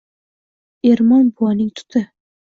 Ermon buvaning tuti!